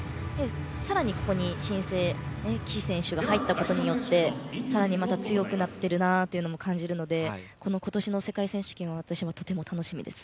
さらに、ここに新星岸選手が入ったことによってさらにまた強くなっていると感じるので今年の世界選手権は私もとても楽しみです。